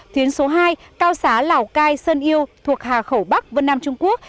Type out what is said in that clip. tuyến số hai cao xá lào cai sơn yêu thuộc hà khẩu bắc vân nam trung quốc